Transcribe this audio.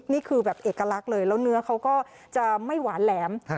นี่คือแบบเอกลักษณ์เลยแล้วเนื้อเขาก็จะไม่หวานแหลม